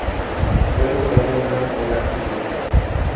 Fue educado en una escuela jesuita.